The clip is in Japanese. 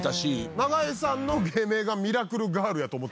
永井さんの芸名が「ミラクル・ガール」やと思って。